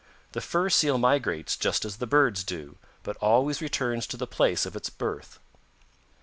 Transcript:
The Fur Seal migrates just as the birds do, but always returns to the place of its birth.